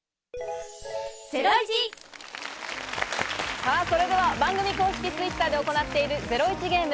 さぁ、それでは番組公式Ｔｗｉｔｔｅｒで行っているゼロイチゲーム